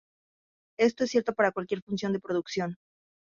Esto es cierto para cualquier función de producción.